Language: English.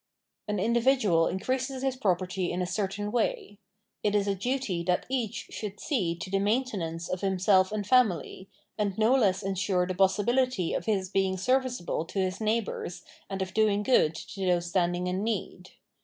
An individual increases his property in a certain way. It is a duty that each should see to the maintenance of himself and family, and no less ensure the possibility of his being serviceable to his neighbours and of doing good to those standing in need.